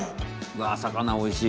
わ魚おいしい。